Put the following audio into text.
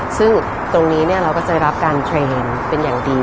ซึ่งตรงนี้เราก็จะรับการเทรนด์เป็นอย่างดี